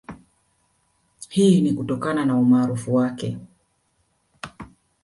Hii ni kutokana na umaarufu wake